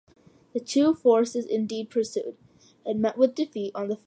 The Chu forces indeed pursued, and met with defeat on the field of Chengpu.